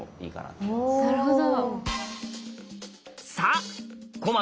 なるほど。